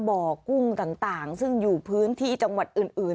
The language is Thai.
บ่อกุ้งต่างต่างซึ่งอยู่พื้นที่จังหวัดอื่นอื่น